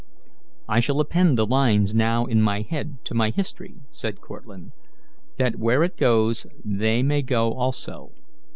"I shall append the lines now in my head to my history," said Cortlandt, "that where it goes they may go also.